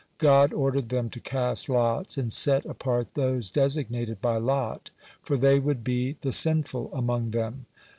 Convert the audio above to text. God ordered them to cast lots and set apart those designated by lot, for they would be the sinful among them.